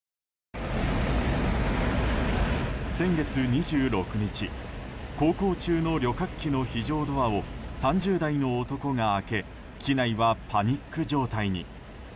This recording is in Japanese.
先月２６日航行中の旅客機の非常ドアを３０代の男が開け機内はパニック状態に。